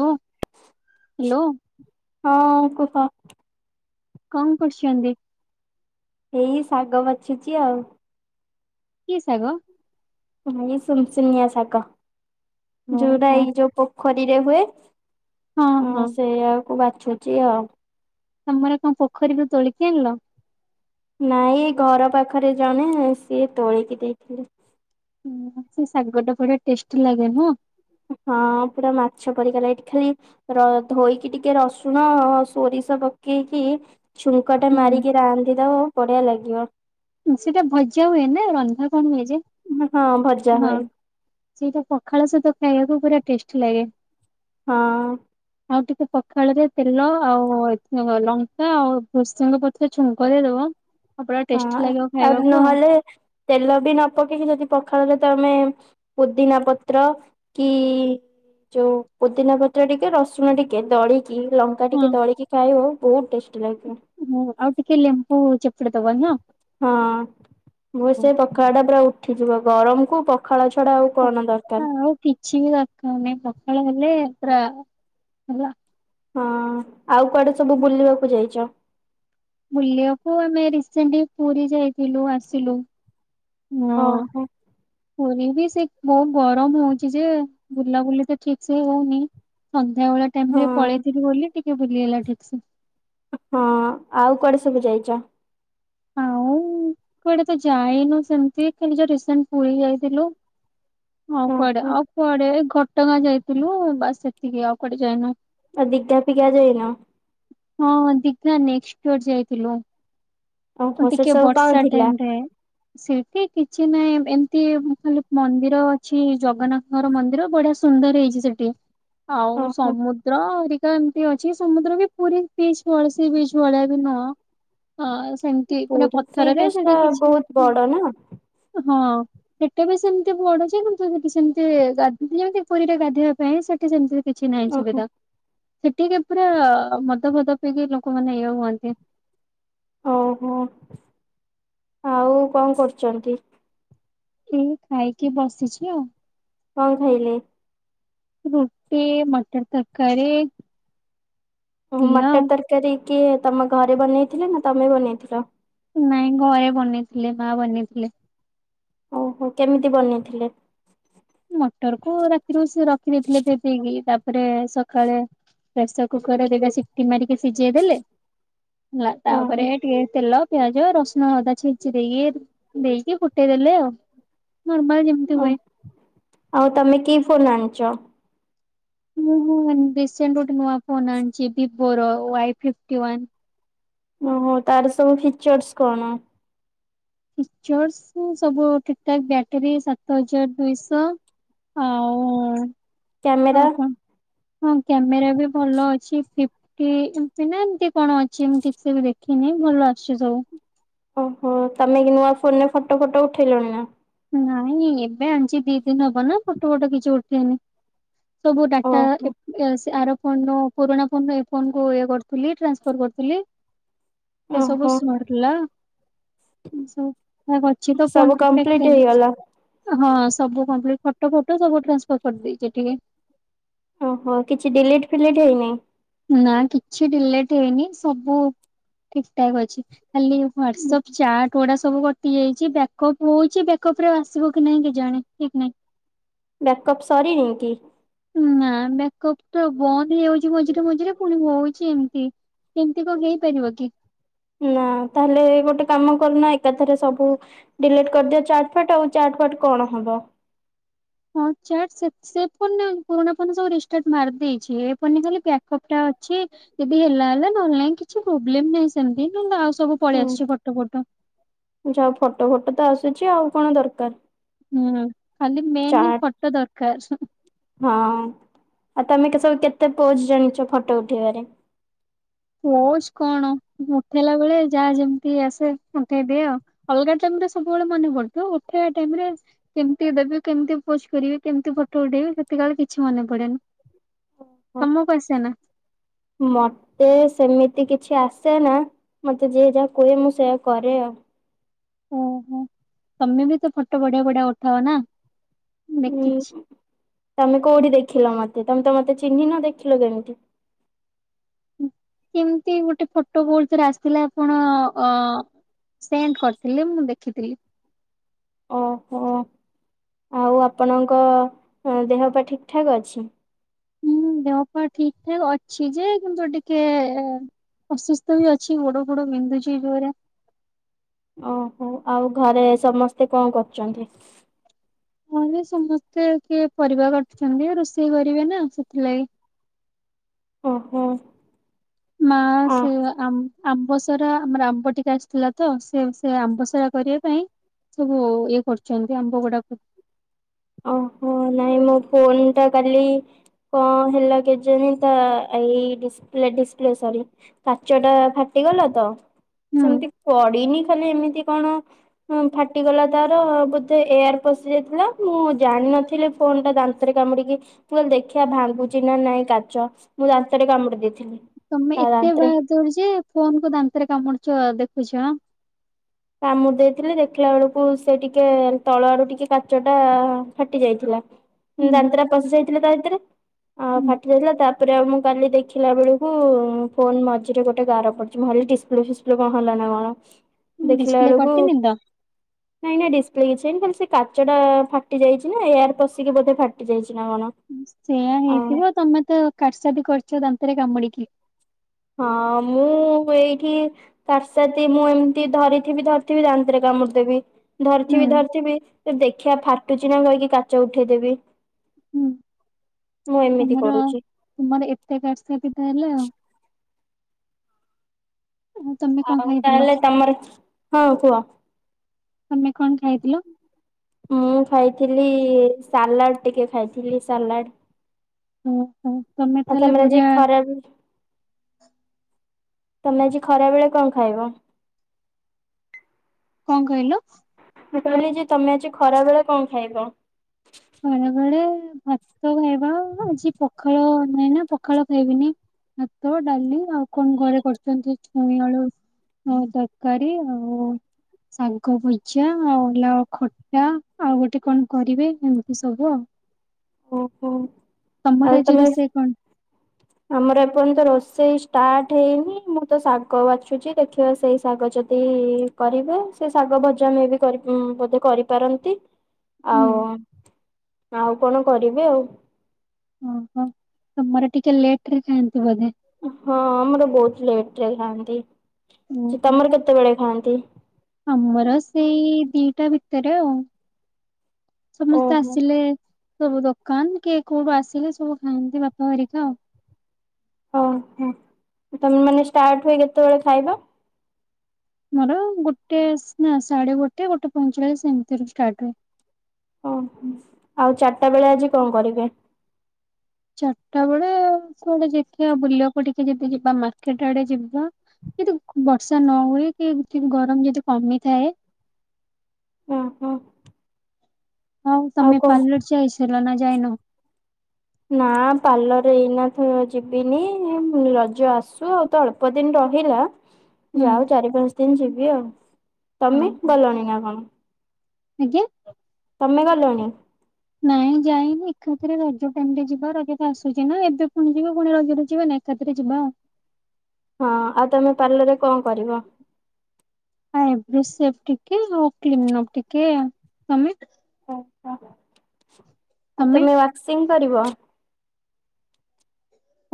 Hello hello. ହଁ କୁହ? କଣ କରୁଛନ୍ତି? ଏଇ ଶାଗ ବାଛୁଛି ଆଉ। କି ଶାଗ? ସୁନୁସୁନିଆ ଶାଗ ଓହୋ ଯୋଉଟା ହଁ ଏଇ ଯୋଉ ପୋଖରୀରେ ହୁଏ। ହଁ ସେଇଆକୁ ବାଛୁଛି ଆଉ। ତମର କଣ ପୋଖରୀରୁୁ ତୋଳିକି ଆଣିଲ? ନାଇଁ ଏ ଘର ପାଖରେ ଜଣେ ସିଏ ତୋଳିକି ଦେଇଥିଲେ। ହୁଁ ସେ ଶାଗ ଟା ପୁରା ଟେଷ୍ଟି ଲାଗେ ନୁହଁ? ହଁ ପୁରା ମାଛ ପରିିକିଆ ଲାଗେ ଖାଲି ର ଧୋଇକି ଟିକେ ରସୁଣ ସୋରିଷ ପକେଇକି ଛୁଙ୍କ ଟା ମାରିକି ରାନ୍ଧିବ ଦବ ତ ବଢିଆ ଲାଗିବ। ସେଟା ଭଜା ହୁଏ ନା ରନ୍ଧା କଣ ହୁଏ ଯେ ହଁ ଭଜା ହଁ। ହୁଏ ସେଇଟା ପଖାଳ ସହିତ ଖାଇବାକୁ ପୁରା ଟେଷ୍ଟି ଲାଗେ। ହଁ। ଆଉ ଟିକେ ପଖାଳରେ ତେଲ ଆଉ ଲଙ୍କା ଆଉ ଭୃସଙ୍ଗ ପତ୍ର ରେ ଛୁଙ୍କ ଦେଇ ଦବ [unintelligible] ହଁ ଆଉ ନହେଲେ ତେଲ ବି ନ ପକେଇକି ଯଦି ପଖାଳ ରେ ତମେ ପୁଦିନା ପତ୍ର କି ଯୋଉ ପୁଦିନା ପତ୍ର ଟିକେ ରସୁଣ ଟିକେ ଦଳିକି କି ଲଙ୍କା ହଁ ଟିକେ ଦଳିକି ଖାଇବୁ ବହୁତ୍ ଟେଷ୍ଟି ଲାଗିବ। ହୁଁ ଆଉ ଟିକେ ଲେମ୍ପୁ ଚେପୁଡି ଦବ ନୁହଁ? ହଁ ମୁଁ ସେ ପଖାଳ ଟା ପୁରା ଉଠିଯିବ ଗରମ କୁ ପଖାଳ ଛଡା ଆଉ। କଣ ଦରକାର। ହଉ କିଛିି ବି ଦରକାରେ ନାହିଁ ପଖାଳ ହେଲେ ପୁରା ହେଲା। ହଁ ଆଉ କୁଆଡେ ସବୁ ବୁଲିବାକୁ ଯାଇଛ? ବୁଲିବାକୁ ଆମେ ରିସେଣ୍ଟଲି ପୁରୀ ଯାଇଥିଲୁ ଆସିଲୁ ହଁ। ଓହୋ। ପୁରୀ ବି ସେ ବହୁତ୍ ଗରମ ହଉଛି ଯେ ବୁଲାବୁଲି ତ ଠିକ୍ ସେ ହଉନି। ସନ୍ଧ୍ୟାବେଳ ଟାଇମ୍ ହଁ ରେ ପଳେଇଥିଲି ବୋଲି ଟିକେ ବୁଲିହେଲା ଠିକ୍ ସେ। ହଁ ଆଉ କୁଆଡେ ସବୁ ଯାଇଛ? ଆଉ କୁଆଡେ ତ ଯାଇନୁ ସେମିତି ଖାଲି ଯାହା ରିସେଣ୍ଟ ପୁରୀ ଯାଇଥିଲୁ। ଆଉ କୁଆଡେ ଓହୋ। ଆଉ କୁଆଡେ ଘଟଗାଁ ଯାଇଥିଲୁ ବାସ ସେତିକି ଆଉ କୁଆଡେ ଯାଇନୁ। ଆ ଦିଗା ଫିକା ଯାଇନ। ହଁ ଦିଘା ନେକ୍ର ଯାଇଥିଲୁ। ଓହୋ ସେ ଟିକେ ସବୁ କଣ ବର୍ଷା ଥିଲା? ଟାଇମ ରେ ଶିଳ୍ପୀ କିଛି ନାହିଁ ଏମିତି ଖାଲି ମନ୍ଦିର ଅଛି ଜଗନ୍ନାଥ ଘର ମନ୍ଦିର ବଢ଼ିଆ ସୁନ୍ଦର ହେଇଛି ସେଠି ଆଉ ଓହୋ। ସମୁଦ୍ର ଅବିକା ଅଛି ସମୁଦ୍ର ବି ପୁରୀ ବିଚ୍ ଭ ସି ବିଚ୍ ଭଳିଆ [unintelligible] ହଁ ସେମତି ଏଇଖୁଣା ପୁରୀ ସି ପଥରରେ ବିଚ୍ ଟା ସେଠି କିଛି ବହୁତ ହୁଁ ବଡ ନା ହଁ ସେଟା ବି ସେମିତି ବଡୁଛି କିନ୍ତୁି ସେମିତି ଗାଧି ଯେମତି ପୁରୀରେ ଗାଧୋଇବା ପାଇଁ ସେଠି ସେମିତି କିଛି ନାହିଁ ଓହୋ ସୁବିଧା ସେଠିକି ପୁରା ମଦଭଦ ପିଇକି ଲୋକମାନେ ଇଏ ହୁଅନ୍ତି। ଓହୋ ଆଉ କଣ କରୁଛନ୍ତି? ଏଇ ଖାଇକି ବସିଛି ଆଉ। କଣ ଖାଇଲେ? ରୁଟି, ମଟର ତରକାରୀ ଏଇଆ ମଟର ଆଉ ତରକାରୀ କିଏ ତମ ଘରେ ବନେଇଥିଲେ, ନା ତମେ ବନେଇଥିଲ? ନାଇଁ ଘରେ ବନେଇଥିଲେ, ମା ବନେଇଥିଲେ। ଓହୋ କେମିତି ବନେଇଥିଲେ? ମଟର କୁ ରାତିରୁ ସେ ରଖିଦେଇଥିଲେ ଭେଦେଇ କି, ତାପରେ ସକାଳେ ପ୍ରେସର କୁକରରେ ଦିଟା ସିଟି ମାରିକି ସିଝେଇ ଦେଲେ, ହେଲା। ତାପରେ ଓହୋ ଟିକେ ତେଲ ପିଆଜ, ରସୁଣ, ଅଦା ଛେଚି ଦେଇକି ଦେଇକି ଫୁଟେଇଦେଲେ ଆଉ। ନର୍ମାଲ ଯେମିତି ହୁଏ। ଆଉ ତମେ କି ଫୋନ ଆଣିଛ? ହୁଁ ହୁଁ ରିସେଣ୍ଟ ଗୋଟେ ନୂଆ ଫୋନ ଆଣିଛି ଭିବୋ ର ୱାଇ ଫିଫ୍ଟୀ ୱାନ୍। ଉ ତାର ସବୁ ଫିଚର୍ସ କଣ? ଫିଚର୍ସ ସବୁ ଠିକଠାକ୍ ବ୍ୟାଟେରୀ ସାତ ହଜାର ଦୁଇଶହ ଆଉ-ଉ-ଉ କ୍ୟାମେରା? ଆଉ କଣ? ହଁ କ୍ୟାମେରା ବି ଭଲ ଅଛି। ଫି କି ଏମତି ନା, ଏମିତି କଣ ଅଛି? ମୁଁ ଠିକ୍ ସେ ବି ଦେଖିନି, ଭଲ ଅଛି ସବୁ। ଓହୋ, ତମେ କି ନୂଆ ଫୋନ୍‌ରେ ଫଟୋ-ଫଟୋ ଉଠେଇଲଣି ନା? ନାଇଁ ଏବେ ଆଣିଛି ଦି ଦିନ ହବ ନା ଫଟୋ ଫଟୋ କିଛି ଉଠେଇନି। ସବୁ ଡାଟା ଓହୋ ଏ ସେ ଆର ଫୋନ ରୁ ପୁରୁଣା ଫୋନ କୁ ଇଏ କରିଥିଲି, ଟ୍ରାନ୍ସଫର କରିଥିଲି। ସେ ସବୁ ଓହୋ ସରିଲା ସବୁ ଠିକଠାକ୍ ଅଛି ତ ସବୁ [unintelligible] କମ୍ପ୍ଲିଟ ହେଇଗଲା ହଁ ସବୁ କଂପ୍ଲିଟ୍। ଫଟୋ ଫଟୋ ସବୁ ଟ୍ରାନ୍ସଫର୍ କରିଦେଇଛି ଏଠିକି। ଓହୋ କିଛି ଡିଲିଟ୍ ଫିଲିଟ୍ ହେଇନି। ନା କିଛି ଡିଲିଟ ହେଇନି ସବୁ ଠିକଠାକ୍ ଅଛି। ଖାଲି ହ୍ଵାଟସଆପ ଚାଟ୍ ଗୁଡ଼ା ସବୁ କଟିଯାଇଛି। ବ୍ୟାକପ୍ ହଉଛି ବେକପରେ ଆସିବକି ନାହିଁ କେଜାଣି। ଠିକ୍ ନାଇଁ। ବ୍ୟାକ୍ଅପ୍ ସରିନି କି? ନା ମେକପ ତ ବନ୍ଦ ହେଇଯାଉଛି ମଝିରେ ମଝିରେ ପୁଣି ହଉଛି ଏମତି। ଏମିତି କ ହେଇପାରିବ କି? ନା ତାହାଲେ ଗୋଟେ କାମ କରୁନ ଏକାଥରେ ସବୁ ଡିଲିଟ୍ କରିଦିଅ ଚାଟ୍ ଫାଟ ଆଉ ଚାଟ୍ ଫାଟ କଣ ହବ। ହଁ ଚାଟ୍ ସେ ସେ ଫୋନରେ ଆମ ପୁରୁଣା ଫୋନ ସବୁ ରିଷ୍ଟାର୍ଡ ମାରିଦେଇଛି ଏ ଫୋନରେ ଖାଲି ପ୍ୟାକପ ଟା ଅଛି। ଯଦି ହେଲା-ହେଲା, ନହେଲେ ନାହିଁ, କିଛି ପ୍ରୋବ୍ଲେମ ନାହିଁ ସେମିତି ନହଲେ ଆଉ ସବୁ ପଳେଇଆସିଛି, ଫଟ-ଫଟ। ଯା, ଫଟୋ-ଫଟୋ ତ ଆସୁଛି, ଆଉ କଣ ଦରକାର? ହୁଁ, ଖାଲି ମେନ୍‌ ହିଁ ଚାଟ୍ ଫଟୋ ଦରକାର। ହଁ, ଆଉ ତମେ ସବୁ କେତେ ପୋଜ୍ ଜାଣିଛ ଫଟୋ ଉଠେଇବାରେ? ପୋଜ୍ କଣ? ଉଠେଇଲା ବେଳେ ଯାହା ଯେମିତି ଆସେ ଉଠେଇଦିଏ ଆଉ ଅଲଗା ଟାଇମ୍ ରେ ସବୁବେଳେ ମନେ ପଡ଼ୁଥିବ, ଉଠେଇବା ଟାଇମ୍ ରେ କେମିତି ଦେବେ, କେମିତି ପୋଜ୍ କରିବେ, କେମିତି ଫଟୋ ଉଠେଇବେ, ସେତେବେଳେ କିଛି ମନେ ପଡ଼େନି। ତମକୁ ଆସେ ନା? ମତେ ସେମିତି କିଛି ଆସେନା। ମତେ ଯିଏ ଯାହା କୁହେ, ମୁଁ ସେଇୟା କରେ ଆଉ। ଉ, ହୁଁ। ତମେ ବି ତ ଫଟୋ ବଢ଼ିଆ ବଢ଼ିଆ ଉଠାଅ ନା? ହୁଁ, ଦେଖିଛି। ତମେ କୋଉଠି ଦେଖିଲ ମତେ? ତମେ ତ ମତେ ଚିହ୍ନିନ? ଦେଖିଲ କେମିତି? ଏମିତି ଗୋଟେ ଫଟୋ କଉଥରେ ଆସିଥିଲା, ଆପଣ ଅ ସେଣ୍ଡ କରିଥିଲେ, ମୁଁ ଦେଖିଥିଲି। ଓହୋ, ଆଉ ଆପଣଙ୍କ ଦେହ-ପା ଠିକ୍ ଠାକ୍ ଅଛି? ଦେହ-ପା ଠିକ୍ ଠାକ୍ ଅଛି ଯେ, କିନ୍ତୁ ଟିକେ ଅସୁସ୍ଥ ବି ଅଛି। ଗୋଡ-ଫୋଡ ବିନ୍ଧୁଛି ଜୋରେ। ଓହୋ, ଆଉ ଘରେ ସମସ୍ତେ କଣ କରୁଛନ୍ତି? ଘରେ ସମସ୍ତେ କିଏ ପରିବା କାଟୁଛନ୍ତି, ରୋଷେଇ କରିବେ ନା, ସେଥିଲାଗି। ଓହୋ। ମା ଅ ସେ ଆ ଆମ୍ବସରା ଆମର ଆମ୍ବ ଟିକେ ଆସିଥିଲା ତ ସେ ସେ ଆମ୍ବସରା କରିବା ପାଇଁ ସବୁ ଇଏ କରୁଛନ୍ତି ଆମ୍ବ ଗୁଡାକ ଓହୋ ନାଇଁ ମୋ ଫୋନ ଟା କାଲି କଣ ହେଲା କେଜାଣି ତା ଏଇ ଡ଼ିସପ୍ଲେ ଡିସପ୍ଲେ ସରି କାଚ ଟା ଫାଟିଗଲା ତ ହୁଁ ସେମିତି ପଡିନି ଖାଲି ଏମିତି କଣ ଫାଟିଗଲା ତାର ବୋଧେ ଏୟାର ପଶି ଯାଇଥିଲା। ମୁଁ ଜାଣିନଥିଲି ଫୋନ୍ ଟା ଦାନ୍ତରେ କାମୁଡିକି ମୁୁହଲେ ଦେଖିବା ଭାଙ୍ଗୁଚି ନା ନାଇଁ କାଚ ମୁଁ ଦାନ୍ତରେ କାମୁଡି ଦେଇଥିଲି। ତମେ ତା ଏତେ ଦାନ୍ତରେ ବାହାଦୁର ଯେ ଫୋନ କୁ ଦାନ୍ତରେ କାମୁଡୁଛ ଦେଖୁଛ। କାମୁ ଦେଇଥିଲେ ଦେଖିଲା ବେଳକୁ ସେ ଟିକେ ତଳ ଆଡୁ ଟିକେ କାଚ ଟା ଫାଟି ଯାଇଥିଲା ହୁଁ ଦାନ୍ତ ଟା ପଶିଯାଇଥିଲା ତା ଭିତରେ ଆ ହୁଁ ଫାଟି ଯାଇଥିଲା ତା ତାପରେଉ ମୁଁ କାଲି ଦେଖିଲା ବେଳକୁ ଫୋନ ମଝିରେ ଗୋଟେ ଗାର ପଡିୁଛି ମୁଁହାଲି ଡିସପ୍ଲେ ଫସ୍ କଣ ହେଲା ନା କଣ ଦେଖିଲା ଡିସପ୍ଲେ ବେଳକୁ କରିଥିଲି ତ। ନାଇଁ ନାଇଁ ଡିସ୍ପ୍ଲେ କିଛିନ ଖାଲି ସେ କାଚ ଟା ଫାଟି ଯାଇଛି ନା ଏୟାର ପଶିକି ବୋଧେ ଫାଟି ଯାଇଛି ନା କଣ। ସେୟା ହେଇଥିବ ତମେ ତ କାଠସଦି କରିଛ ଦାନ୍ତରେ କାମୁଡିକି ହଁ ମୁଁ ହୁଏକି କାରସାଦୀ ମୁଁ ଏମିତି ଧରିଥିବି ଧରିଥିବି ଦାନ୍ତରେ କାମୁଡି ଦେବି ହୁଁ ଧରିଥିବି ଧରିଥିବି ତ ଦେଖିବା ଫାଟୁଚି ନା କହିକି କାଚ ଉଠେଇଦେବି। ମୁଁ ଏମିତି ତୁମର କରୁଛି ତୁମର ଏତେ ବାର୍ସବଧା ହେଲେ ଆଉ ଆଉ ତମେ କଣ ଆଉ ଖାଇଥିଲ ତାହେଲେ ତମର ହଁ କୁହ। ତମେ କଣ ଖାଇଥିଲ? ମୁଁ ଖାଇଥିଲି ସାଲାଡ଼ ଟିକେ ଖାଇଥିଲି ସାଲାଡ। ଓହୋ ତମେ ଆ ତାହେଲେ ତମର ଆଜି ବଢିଆ ଖରା ତମେ ଆଜି ଖରା ବେଳେ କଣ ଖାଇବ? କଣ କହିଲ? ମୁଁ କହିଲି ଯେ ତମେ ଆଜି ଖରା ବେଳେ କଣ ଖାଇବ? ଖରା ବେଳେ ଭାତ ଖାଇବା ଆଜି ପଖାଳ ନାହିଁ ନା ପଖାଳ ଖାଇବିନି। ଭାତ ଡାଲି ଆଉ କଣ ଘରେ କରିଛନ୍ତି ଛୁଇଁ ଆଳୁ ହଁ ତରକାରୀ ଆଉ ଶାଗ ଭଜା ଆଉ ଲାଉ ଖଟା ଆଉ ଗୋଟେ କଣ କରିବେ। ଏ ସବୁ ଓହୋ ଆଉ ତମର ଆଜି ତମେ ରୋଷେଇ କଣ? ଆମର ଏପର୍ଯ୍ୟନ୍ତ ରୋଷେଇ ଷ୍ଟାର୍ଟ ହେଇନି ମୁଁ ତ ଶାଗ ବାଛୁଛି ଦେଖିବା ସେଇ ଶାଗ ଯ ଏଇ କରିବେ ସେ ଶାଗ ଭଜା ମେ ବି କରି ବୋଧେ କରିପାରନ୍ତି। ହୁଁ ଆଉ ଆଉ କଣ କରିବି ଆଉ। ଓହୋ ତମର ଟିକେ ଲେଟରେ ଖାଆନ୍ତି ବୋଧେ। ହଁ ଆମର ବହୁତ ଲେଟରେ ଖାଆନ୍ତି ସେ ଓହୋ। ତମର କେତେବେଳେ ଖାଆନ୍ତି। ଆମର ସେଇ ଦିଟା ଭିତରେ ଆଉ। ସମସ୍ତେ ଓହୋ ଆସିଲେ। ସବୁ ଦୋକାନ କିଏ କୋଉଠୁ ଆସିଲେ ସବୁ ଖାଆନ୍ତି ବାପା ହେରିକା ଆଉ ଓ ହୋ ତମ ମାନେ ଷ୍ଟାର୍ଟ ହୁଏ କେତେବେଳେ ଖାଇବା। ମୋର ଗୋଟେ ନା ସାଢେ ଗୋଟେ ଗୋଟେ ପଇଁଚାଳିଶ ଏମିତି ରେ ଷ୍ଟାର୍ଟ ହୁଏ। ଓହୋ ଆଉ ଚାରିଟା ବେଳେ ଆଜି କଣ କରିବେ? ଚାରିଟା ବେଳେ କୁଆଡେ ଦେଖିଆ ବୁଲିବାକୁ ଟିକେ ଯଦି ଯିବା ମାର୍କେଟ ଆଡେ ଯିବା। କିଦୁ ବର୍ଷା ନ ହୁଏ କି ଗରମ ଯଦି କମିଥାଏ। ଓହୋ। ହଉ ଆଉ ତମେ କଣ ପାାର୍ଲର ଯାଇସାଇଲାଣି ନା ଯାଇନ। ନା ପାର୍ଲର ଏଇନା ତ ଯିବିନି ରଜ ଆସୁ ଆଉ ତ ଅଳ୍ ଅଳ୍ପ ଦିନ ରହିଲା। ହୁଁ। ଯାଉ ଚାରି ପାଞ୍ଚ ଦିନ ଯିବି ଆଉ ହଁ। ତମେ ଗଲଣି ନା କଣ? ଆଜ୍ଞା। ତମେ ଗଲଣି। ନାଇଁ ଯାଇନି ଏକାଥେରେ ରଜ ଟାଇମି ରେ ଯିବା ରଜ ତ ଆସୁଛି ନା ଏବେ ପୁଣି ଯିବା ପୁଣି ରଜରେ ଯିବା ନା। ଏକାଥରେ ଯିବା। ହଁ ଆଉ ତମେ ପାର୍ଲରରେ କଣ କରିବ। ଆ ଏଭ [inaudible] ସେ ଟିକେ କ୍ଲିନ ଅଫ ଟିକେ ତମେ ଓହୋ ଆଉ ତମେ ୱାକ୍ସିଂ କରିବ।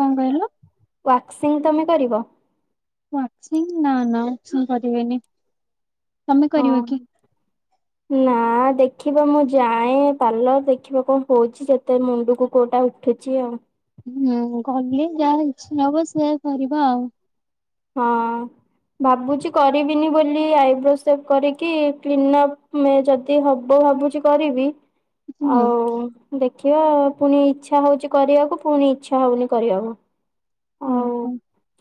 କଣ କହିଲ। ୱାକ୍ସିଂ ତମେ କରିବ। ୱାକ୍ସିଂ ନା ନା ମୁଁ କରିବିନି ତମେ ହଁ କରିବ କି? ନା ଦେଖିବା ମୁଁ ଯାଏ ପାର୍ଲର ଦେଖିବା କଣ ହଉଛି ଯେତେ ମୁଣ୍ଡକୁ କୋଉଟା ଉଠୁଛି ଆଉ। ହୁଁ ଗଲେ ଯାହା ଇଚ୍ଛା ହବ ସେୟା କରିବା ଆଉ। ହଁ। ଭାବୁଛି କରିବିନି ବୋଲି ଆଇବ୍ରୋ ସେପ କରିକି କ୍ଲିନଅପ ଯଦି ହବ ଭାବୁଛି କରିବି। ହୁଁ। ଆଉ ଦେଖିବା ପୁଣି ଇଚ୍ଛା ହଉଛି କରିବାକୁ ପୁଣି ଇଚ୍ଛା ହଉନି କରିବାକୁ। ହଉ ଓହୋ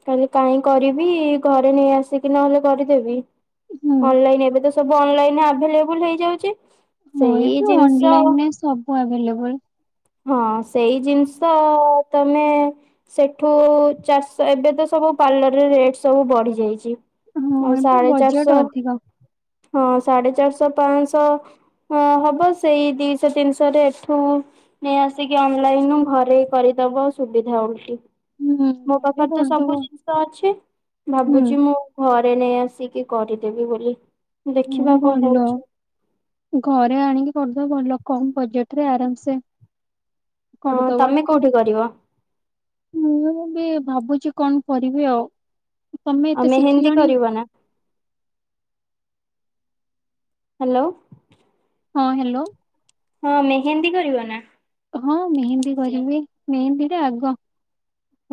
କାଲି କାହିଁ କରିବି ଘରେ ନେଇ ଆସିକି ନହେଲେ କରିଦେବି। ହୁଁ ଅନଲାଇନ ଏବେ ତ ସବୁ ଅନଲାଇନ ଆଭେଲେବୁଲ ହେଇଯାଉଛି। ହଁ ସେଇ ଏବେ ଜିନିଷ ଅନଲାଇନରେ ସବୁ ଆଭେଲେବୁଲ। ହଁ ସେଇ ଜିନିଷ ତମେ। ସେଠୁ ଚାରିଶ୍ ଏବେ ତ ସବୁ ପାର୍ଲରରେ ରେଟ ସବୁ ବଢି ଯାଇଚି। ହଁ ଆଉ ଏବେ ସାଢେ ବଜେଟ ଚାରିଶ ଅଧିକ ହଁ ସାଢେ ଚାରିଶ ପାଁଶହ ହଁ ହବ ସେଇ ଦିଶହ ତିନିଶହରେ ଏଠୁ ନେଇ ଆସିକି ଅନଲାଇନ୍ ରୁ ଘରେ କରିଦବ ସୁବିଧା ଓଲଟି। ହୁଁ ମୋ ଘରେ ପାଖରେ ତ ସବୁ କରିଦବ ଜିନିଷ ଅଛି ହୁଁ। ଭାବୁଚି ମୁଁ ମୁଁ ଘରେ ନେଇ ଆସିକି କରିଦେବି ବୋଲି। ହୁଁ ଦେଖିବା କଣ ଭଲ ହଉଛି। ଘରେ ଆଣିକି କରିଦବ ଭଲ କମ୍ ବଜେଟ୍ ରେ ଆରାମସେ ହଁ କରଦବ ତମେ କୋଉଠି କରିବ ମୁଁ ବି ଭାବୁଚି କଣ କରିବି ଆଉ ତମେ ଆଉ ଏତେ ମେହେନ୍ଦୀ ଶିଖିଲଣି କରିବ ନା ହାଲୋ। ହଁ ହ୍ୟାଲୋ। ହଁ ମେହେନ୍ଦୀ କରିବ ନା? ହଁ ମେହେନ୍ଦୀ କରିବି ମେହେନ୍ଦୀଟା ଆଗ।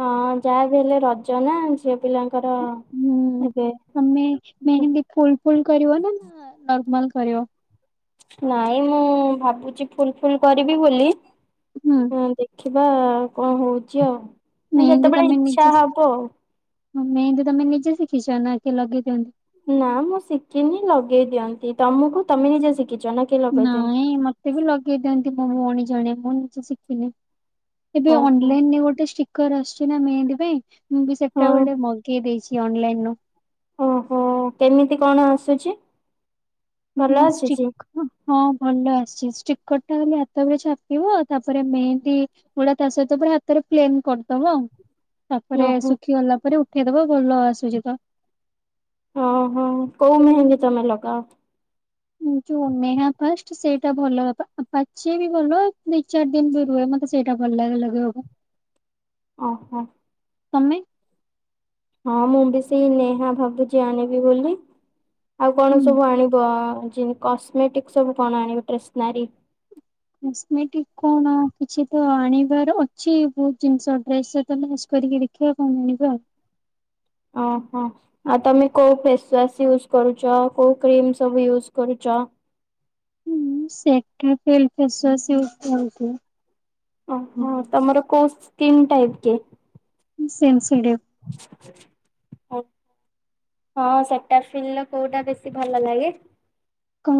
ହଁ ଯାହା ବି ହେଲେ ରଜ ନା ଝିଅ ପିଲାଙ୍କର ହୁଁ ଏବେ ତମେ ମେହେନ୍ଦୀ ଫୁଲ ଫୁଲ କରିବ ନା ନା ନର୍ମାଲ କରିବ? ନାଇଁ ମୁଁ ଭାବୁଚି ଫୁଲ ଫୁଲ କରିବି ବୋଲି ହୁଁ। ହଁ ଦେଖିବା କଣ ହଉଚି ଆଉ ଯେତେବେଳେ ଇଛା ହବ ଆଉ। ଆଉ ମେହେନ୍ଦି ତମେ ନିଜେ ଶିଖିଚ ନା କିଏ ଲଗେଇ ଦିଅନ୍ତି? ନା ମୁଁ ଶିଖିନି ଲଗେଇ ଦିଅନ୍ତି, ତମୁକୁ ତମେ ନିଜେ ଶିଖଚ ନା? କିଏ ଲଗେଇ ଦିଅନ୍ତି? ନାଇଁ ମତେ ବି ଲଗେଇ ଦିଅନ୍ତି ମୋ ଭଉଣୀ ଜଣେ ମୁଁ ନିଜେ ଶିଖିନି। ଏବେ ଓହୋ ଅନଲାଇନରେ ଗୋଟେ ଷ୍ଟିକର ଆସୁଛି ନା ମେହେନ୍ଦି ପାଇଁ ମୁଁ ବି ସେଟା ହଁ ଗୋଟେ ମଗେଇ ଦେଇଛି। କି ଅନଲାଇନ୍ ନୁ ଓହୋ କେମିତି କଣ ଆସୁଛି? ଭଲ ନା ଆସିଛି ଷ୍ଟିକ୍ ହ [unintelligible] ହଁ ଭଲ ଆସିଛି ଷ୍ଟିକର ଟା ଖାଲି ହାତରେ ଛାପିବ ତାପରେ ମେହେନ୍ଦୀ ଗୁଡା ତା ସହିତ ପୁରା ହାତରେ ପ୍ଲେନ୍ କରିଦବ। ତାପରେ ଓହୋ ଶୁଖି ଗଲା ପରେ ଉଠେଇଦବ ଭଲ ଆସୁଚି ତ। ଅଁ ହଁ କୋଉ ମେହେନ୍ଦୀ ତମେ ଲଗାଅ? ଯୋଉ ନେହା ଫାଷ୍ଟ ସେଇଟା ଭଲ ପା ପାଚେ ବି ଭଲ ଦି ଚାରି ଦିନ ବି ରୁହେ ମତେ ସେ ସେଇଟା ଭଲ ଲାଗେ ଲଗେଇବାକୁ। ଓହୋ। ତମେ? ହଁ ମୁଁ ବି ସେଇ ନେହା ଭାବୁଚି ଆଣିବି ବୋଲି। ଆଉ କଣ ହୁଁ ସବୁ ଆଣିବ ଜିନ୍ କସ୍ମେଟିକ୍ ସବୁ କଣ ଆଣିବ ଟ୍ରେସନାରୀ? କସ୍ମେଟିକ୍ କଣ କିଛି ତ ଆଣିବାର ଅଛି ବହୁତ ଜିନିଷ ଡ୍ରେସ ସହିତ ମ୍ୟାଚ କରିକିରି। ଦେଖିବା କଣ ଆଣିବା ଆଉ। ଅଁ ହଁ। ଆଉ ତମେ କୋଉ ଫେସୱାସ୍ ୟୁଜ କରୁଚ, କୋଉ କ୍ରିମ ସବୁ ୟୁଜ କରୁଚ? ଓହୋ [inaudible] ତମର କୋଉ ସ୍କିନ୍ ଟାଇପ୍ କି? ସେନ୍ସି ଡେପ୍। [inaudible] ହଁ ସେଟାଫିଲ୍ କୋଉଟା ବେଶୀ ଭଲ ଲାଗେ? କଣ